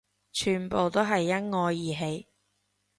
全部都係因我而起